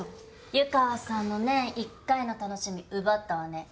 湯川さんの年１回の楽しみ奪ったわね。